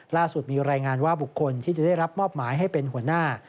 ล่าสุดมีรายงานว่าบุคคลที่จะได้รับมอบหมายให้เป็นหัวหน้า